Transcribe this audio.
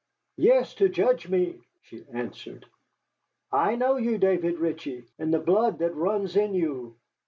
"Yes, to judge me," she answered. "I know you, David Ritchie, and the blood that runs in you.